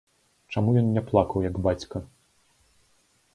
Чаму ён не плакаў, як бацька?